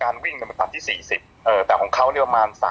การวิ่งมันตัดที่๔๐แต่ของเขาเนี่ยประมาณ๓๕๓๖